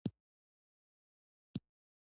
د اوبو سرچینې د افغانستان یوه طبیعي ځانګړتیا ده.